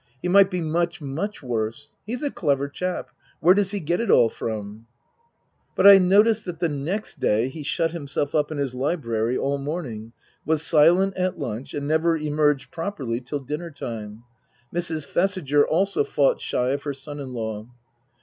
He might be much, much worse. He's a clever chap. Where does he get it all from ?" But I noticed that the next day he shut himself up in his library all morning, was silent at lunch, and never emerged properly till dinner time. Mrs. Thesiger also fought shy of her son in law.